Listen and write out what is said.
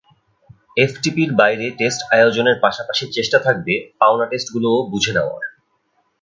এফটিপির বাইরে টেস্ট আয়োজনের পাশাপাশি চেষ্টা থাকবে পাওনা টেস্টগুলোও বুঝে নেওয়ার।